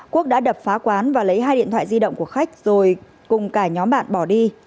quốc đã đập phá quán và lấy hai điện thoại di động của khách rồi cùng cả nhóm bạn bỏ đi